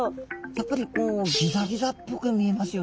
やっぱりこうギザギザっぽく見えますよね。